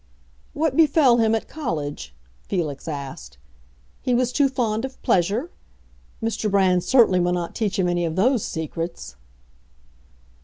"What befell him at college?" Felix asked. "He was too fond of pleasure? Mr. Brand certainly will not teach him any of those secrets!"